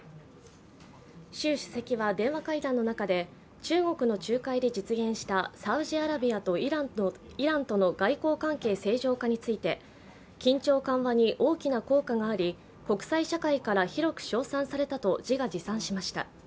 習主席は電話会談の中で中国の仲介で実現したサウジアラビアとイランとの外交関係正常化について緊張緩和に大きな効果があり国際社会から広く称賛されたと自画自賛しました。